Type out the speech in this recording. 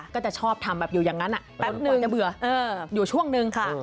ก็จะชอบทำอยู่อย่างนั้นแป๊บหนึ่งอยู่ช่วงหนึ่ง